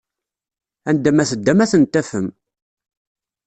Anda ma teddam ad tent-tafem!